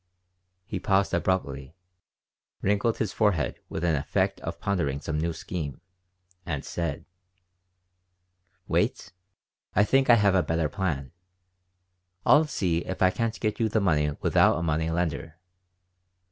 He paused abruptly, wrinkled his forehead with an effect of pondering some new scheme, and said: "Wait. I think I have a better plan. I'll see if I can't get you the money without a money lender."